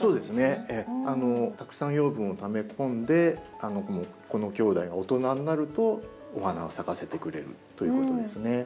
たくさん養分をため込んでこのきょうだいが大人になるとお花を咲かせてくれるということですね。